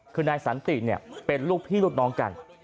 คือนายสันติเป็นลูกพี่ลูกน้องกัน